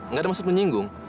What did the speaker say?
nggak ada maksud menyinggung